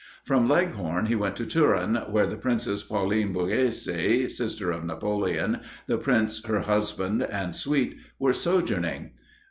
From Leghorn he went to Turin, where the Princess Pauline Borghese, sister of Napoleon, the Prince, her husband, and suite, were sojourning.